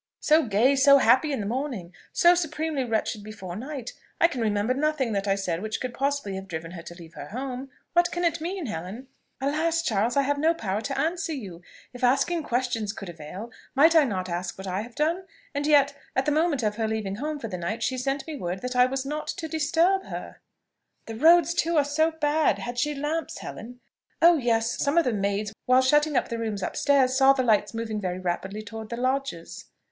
So gay, so happy in the morning! so supremely wretched before night! I can remember nothing that I said which could possibly have driven her to leave her home. What can it mean, Helen?" "Alas! Charles, I have no power to answer you. If asking questions could avail, might I not ask what I have done? And yet, at the moment of her leaving home for the night, she sent me word that I was not to disturb her!" "The roads too are so bad! Had she lamps, Helen?" "Oh yes. Some of the maids, while shutting up the rooms upstairs, saw the lights moving very rapidly towards the lodges."